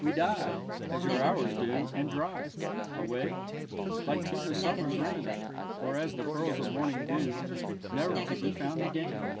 We die As your hours do, and dry Away Like to the summer's rain; Or as the pearls of morning's dew Ne'er to be found again.